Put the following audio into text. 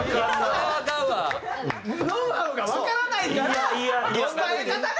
ノウハウがわからないから伝え方が。